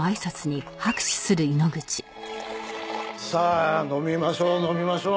さあ飲みましょう飲みましょう。